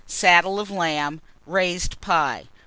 _ Saddle of Lamb. Raised Pie.